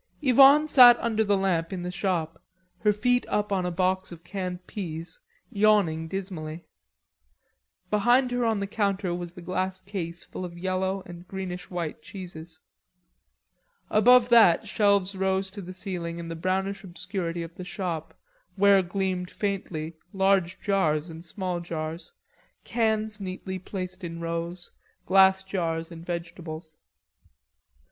Yvonne sat under the lamp in the shop, her feet up on a box of canned peas, yawning dismally. Behind her on the counter was the glass case full of yellow and greenish white cheeses. Above that shelves rose to the ceiling in the brownish obscurity of the shop where gleamed faintly large jars and small jars, cans neatly placed in rows, glass jars and vegetables.